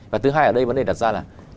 và thứ hai ở đây vấn đề đặt ra là